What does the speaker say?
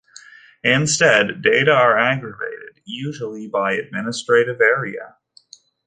Instead data are aggregated, usually by administrative area.